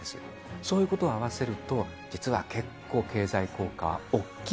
そういうことを合わせると、実は結構、経済効果大きい。